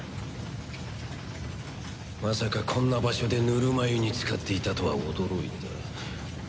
まさかこんな場所でぬるま湯につかっていたとは驚いた。